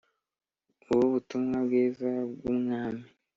ubu butumwa bwiza bw ubwami